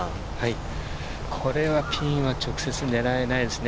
これはピンは直接狙えないですね。